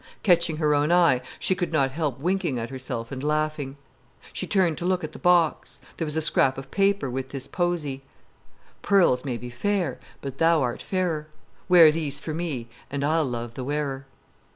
Catching her own eye, she could not help winking at herself and laughing. She turned to look at the box. There was a scrap of paper with this posy: "Pearls may be fair, but thou art fairer. Wear these for me, and I'll love the wearer."